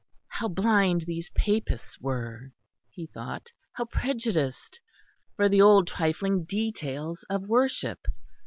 How blind these Papists were, he thought! how prejudiced for the old trifling details of worship!